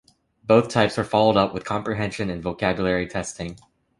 Both types were followed up with comprehension and vocabulary testing.